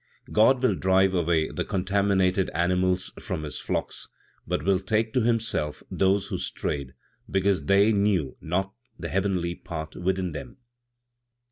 "God will drive away the contaminated animals from His flocks; but will take to Himself those who strayed because they knew not the heavenly part within them."